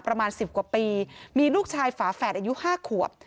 ประมาณ๑๐กว่าปีมีลูกชายฝาแฝดอายุ๕ขวบ